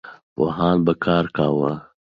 پوهان به کار کاوه.